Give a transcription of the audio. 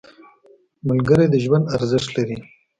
• ملګری د ژوند ارزښت لري.